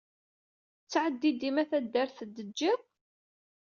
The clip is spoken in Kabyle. Ttɛadid dima taddart deǧǧiḍ?